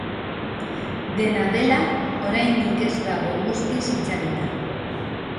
Dena dela, oraindik ez dago guztiz itzalita.